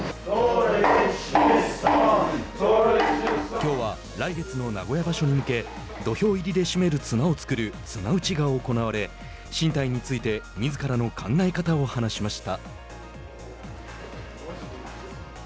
きょうは、来月の名古屋場所に向け土俵入りで締める綱を作る「綱打ち」が行われ進退についてみずからの考え方を話しました。